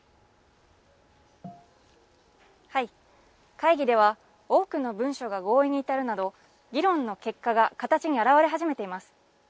会議では多くの文書が合意に至るなど議論の結果が形に表れ始めています。